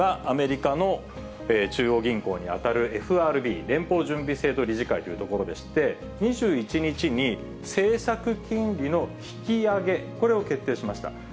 それをしたのがアメリカの中央銀行に当たるＦＲＢ・連邦準備制度理事会というところでして、２１日に政策金利の引き上げ、これを決定しました。